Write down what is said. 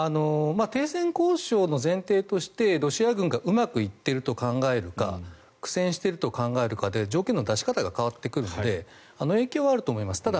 停戦交渉の前提としてロシア軍がうまくいっていると考えるか苦戦していると考えるかで条件の出し方が変わってくるので影響はあると思います。